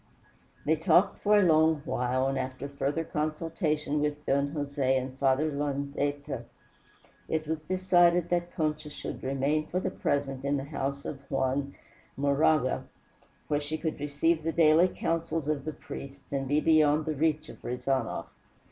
They talked for a long while, and after further consultation with Don Jose and Father Landaeta, it was decided that Concha should remain for the present in the house of Juan Moraga, where she could receive the daily counsels of the priests, and be beyond the reach of Rezanov.